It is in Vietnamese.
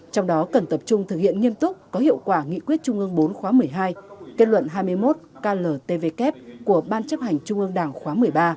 trong đó cần tập trung thực hiện nghiêm túc có hiệu quả nghị quyết trung ương bốn khóa một mươi hai kết luận hai mươi một kltvk của ban chấp hành trung ương đảng khóa một mươi ba